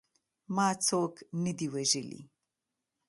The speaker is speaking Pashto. ما څوک نه دي وژلي.